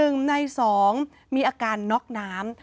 ๑ใน๒มีอาการน็อกน้ำ